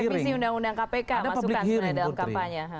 revisi undang undang kpk masukkan sebenarnya dalam kampanye